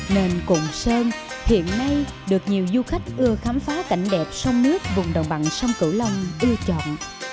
nên cụm sơn hiện nay được nhiều du khách ưa khám phá cảnh đẹp sông nước vùng đồng bằng sông cửu long ưa chuộng